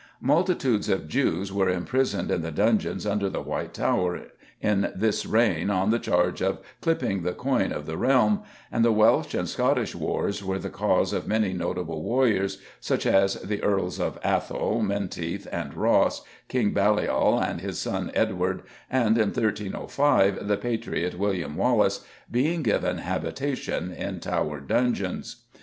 Multitudes of Jews were imprisoned in the dungeons under the White Tower in this reign on the charge of "clipping" the coin of the realm, and the Welsh and Scottish wars were the cause of many notable warriors, such as the Earls of Athol, Menteith, and Ross, King Baliol and his son Edward, and, in 1305, the patriot William Wallace, being given habitation in Tower dungeons.